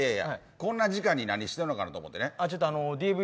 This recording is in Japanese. この時間に何してるのかなと思ってね。